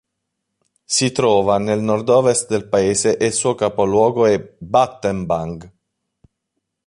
Si trova nel nordovest del paese e il suo capoluogo è Battambang.